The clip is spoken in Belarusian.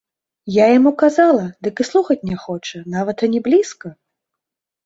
Я яму казала, дык і слухаць не хоча, нават ані блізка!